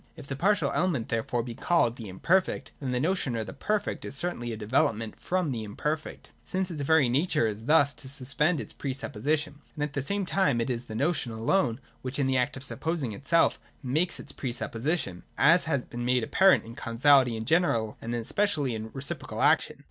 If the partial element therefore be called the imperfect, then the notion, or the perfect, is certainly a development from the imperfect ; since its very nature is thus to suspend its pre supposition. At the same time it is the notion alone which, in the act of supposing itself, makes its pre supposition ; as has been made apparent in causality in general and especially in re ciprocal action.